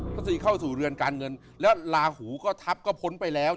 ก็คือเข้าสู่เรือนการเงินแล้วลาหูก็ทัพก็พ้นไปแล้ว